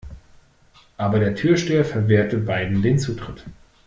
Aber der Türsteher verwehrte beiden den Zutritt.